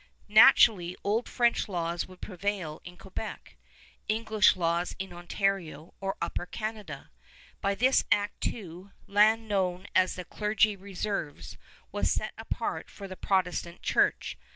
Naturally old French laws would prevail in Quebec, English laws in Ontario or Upper Canada. By this act, too, land known as the Clergy Reserves was set apart for the Protestant Church.